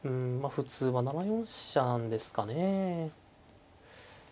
普通は７四飛車なんですかね。